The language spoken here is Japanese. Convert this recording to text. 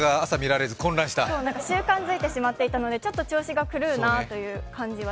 習慣づいてしまっていたのでちょっと調子が狂うなと。